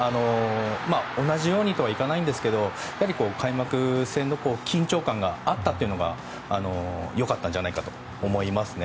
同じようにとはいかないんですけど開幕戦の緊張感があったというのは良かったんじゃないかと思います。